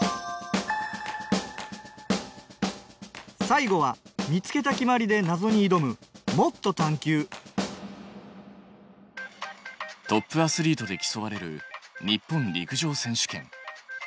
最後は見つけた決まりでなぞにいどむトップアスリートで競われる日本陸上選手権。